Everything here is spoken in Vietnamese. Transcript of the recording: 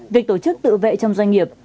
việc tổ chức tự vệ trong doanh nghiệp